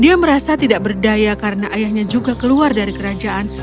dia merasa tidak berdaya karena ayahnya juga keluar dari kerajaan